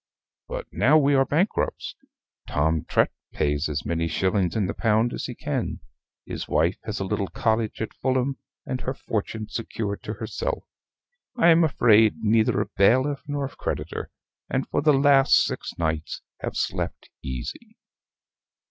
But now we are bankrupts: Tom Trett pays as many shillings in the pound as he can; his wife has a little cottage at Fulham, and her fortune secured to herself. I am afraid neither of bailiff nor of creditor: and for the last six nights have slept easy."